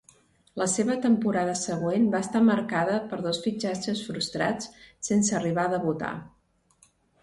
La seva temporada següent va estar marcada per dos fitxatges frustrats sense arribar a debutar.